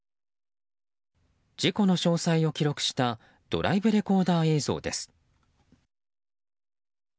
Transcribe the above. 事故の詳細を記録したドライブレコーダー映像です。